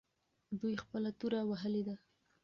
دوی خپله توره وهلې ده.